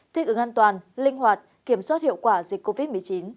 thích ứng an toàn linh hoạt kiểm soát hiệu quả dịch covid một mươi chín